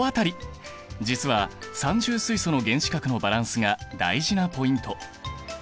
実は三重水素の原子核のバランスが大事なポイント。